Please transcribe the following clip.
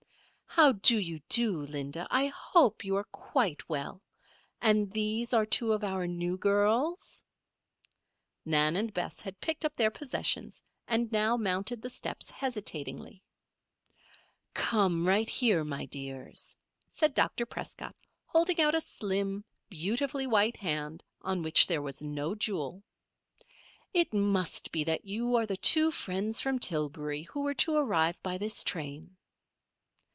"How do you do, Linda? I hope you are quite well. And these are two of our new girls?" Nan and Bess had picked up their possessions and now mounted the steps hesitatingly. "Come right here, my dears," said Dr. Prescott, holding out a slim, beautifully white hand on which there was no jewel. "It must be that you are the two friends from Tillbury, who were to arrive by this train."